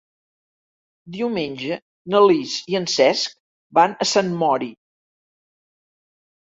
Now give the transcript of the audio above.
Diumenge na Lis i en Cesc van a Sant Mori.